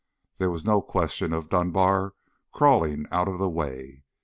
There was no question of Dunbar crawling out of the way.